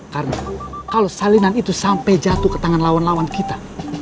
karena kalo salinan itu sampe jatuh ke tangan lawan lawan kita